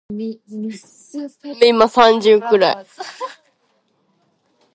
The name means 'red ridge' in the Welsh language.